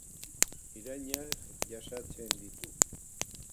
Irainak jasaten ditu.